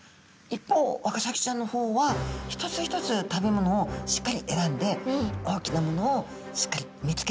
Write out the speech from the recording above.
一方ワカサギちゃんの方は一つ一つ食べものをしっかり選んで大きなものをしっかり見つけてとらえて食べる。